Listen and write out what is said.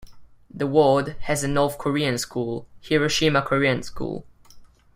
The ward has a North Korean school, Hiroshima Korean School.